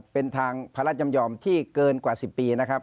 เป็นทางพระราชจำยอมที่เกินกว่า๑๐ปีนะครับ